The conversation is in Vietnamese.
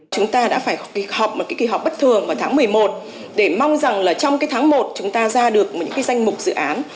chúng ta đã phải học một kỳ họp bất thường vào tháng một mươi một để mong rằng trong tháng một chúng ta ra được những danh mục dự án